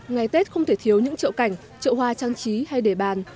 ngày tết không thể thiếu những trậu cảnh trậu hoa trang trí hay để bàn